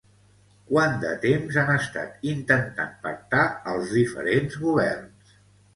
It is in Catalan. Quant de temps han estat intentant pactar els diferents governs?